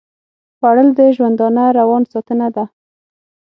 خوړل د ژوندانه روان ساتنه ده